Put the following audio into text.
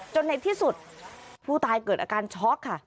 ในที่สุดผู้ตายเกิดอาการช็อกค่ะ